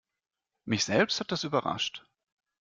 Mich selbst hat das überrascht.